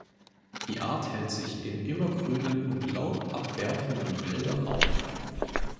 Die Art hält sich in immergrünen und laubabwerfenden Wäldern auf.